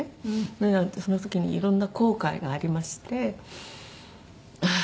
その時にいろんな後悔がありましてああ